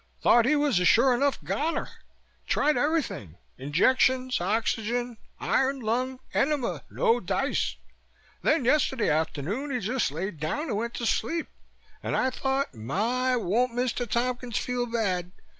Thought he was a sure enough goner. Tried everything: injections, oxygen, iron lung, enema. No dice. Then yesterday afternoon he just lay down and went to sleep and I thought, 'My! Won't Mr. Tompkins feel bad!'